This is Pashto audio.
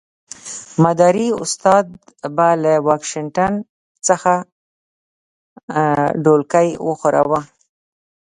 مداري استاد به له واشنګټن څخه ډولکی وښوراوه.